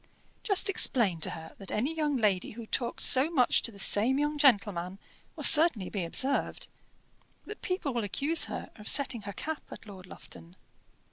"Just explain to her that any young lady who talks so much to the same young gentleman will certainly be observed that people will accuse her of setting her cap at Lord Lufton.